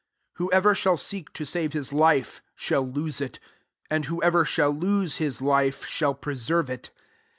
33 Whoever shall seek to save his life, shall lose it ; and whoever shall lose his life, shall preserve it.